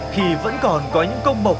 khi vẫn còn có những công bộc